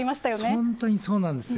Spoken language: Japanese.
本当にそうなんですよ。